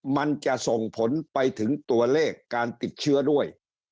มันจะส่งผลไปถึงตัวเลขการติดเชื้อด้วย